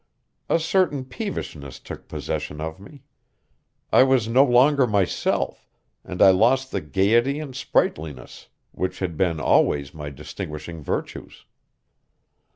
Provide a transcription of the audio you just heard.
A certain peevishness took possession of me; I was no longer myself, and I lost the gayety and sprightliness which had been always my distinguishing virtues.